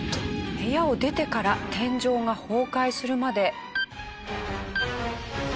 部屋を出てから天井が崩壊するまで。